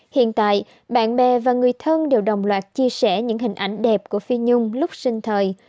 hiện tại bạn bè và người thân đều đồng loạt chia sẻ những hình ảnh đẹp của phi nhung lúc sinh thời